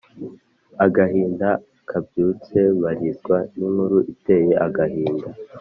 agahinda kabyutse barizwa n’inkuru iteye agahinda,